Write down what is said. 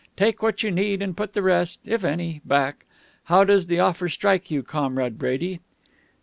Take what you need and put the rest if any back. How does the offer strike you, Comrade Brady?"